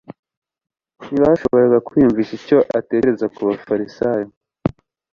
ntibashoboraga kwiyumvisha icyo atekereza ku bafarisayo;